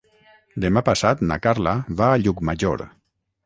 Demà passat na Carla va a Llucmajor.